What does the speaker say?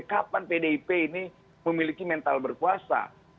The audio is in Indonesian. kapan pdip ini memiliki mental berkuasa